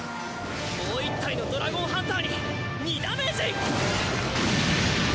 もう１体のドラゴンハンターに２ダメージ！